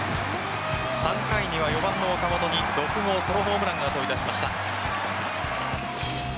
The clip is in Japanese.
３回には４番の岡本に６号ソロホームランが飛び出しました。